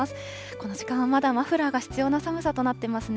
この時間はまだマフラーが必要な寒さとなっていますね。